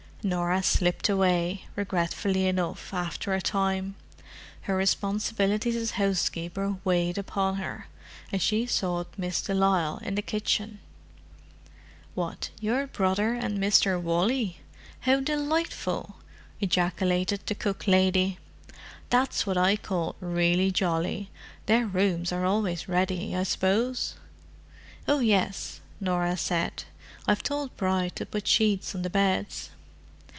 Norah slipped away, regretfully enough, after a time: her responsibilities as housekeeper weighed upon her, and she sought Miss de Lisle in the kitchen. "What, your brother and Mr. Wally? How delightful!" ejaculated the cook lady. "That's what I call really jolly. Their rooms are always ready, I suppose?" "Oh, yes," Norah said. "I've told Bride to put sheets on the beds."